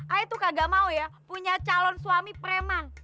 ayah tuh kagak mau ya punya calon suami preman